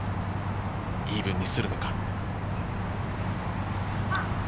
イーブンにするのか？